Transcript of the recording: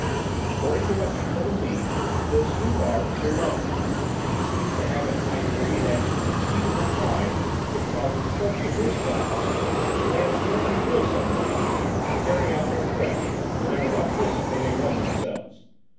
According to what she told me this Loupart is her lover, and he seems to have in a high degree that inconceivable pride which causes folks of his class, when they have sworn to kill some one, to carry out their threat, no matter what risk they may run themselves.